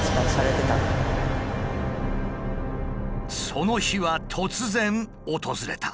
その日は突然訪れた。